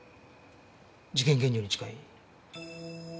事件現場に近い。